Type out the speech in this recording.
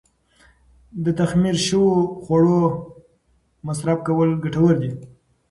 د تخمیر شوو خوړو مصرف کول ګټور دي.